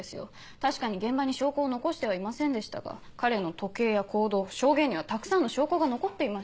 確かに現場に証拠を残してはいませんでしたが彼の時計や行動証言にはたくさんの証拠が残っていました。